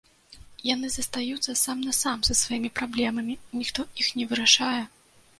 Яны застаюцца сам-насам са сваімі праблемамі, ніхто іх не вырашае.